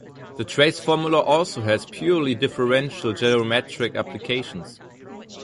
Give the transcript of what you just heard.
The trace formula also has purely differential-geometric applications.